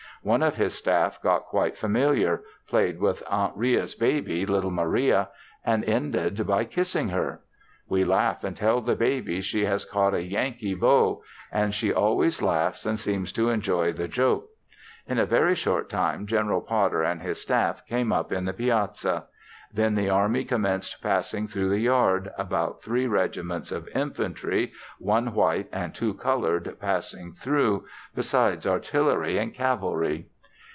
One of his staff got quite familiar; played with Aunt Ria's baby, little Maria, and ended by kissing her. We laugh and tell the baby she has caught a Yankee beau, and she always laughs and seems to enjoy the joke. In a very short time Gen'l Potter and his staff came up in the piazza. Then the army commenced passing through the yard, about three regiments of infantry, one white and two colored passed through, besides artillery and cavalry.